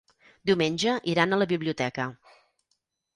Diumenge iran a la biblioteca.